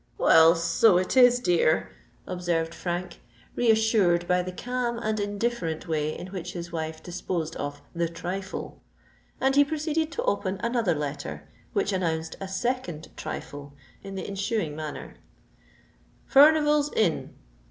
"Well, so it is, dear," observed Frank, reassured by the calm and indifferent way in which his wife disposed of the trifle: and he proceeded to open another letter, which announced a second trifle in the ensuing manner:— _Furnival's Inn.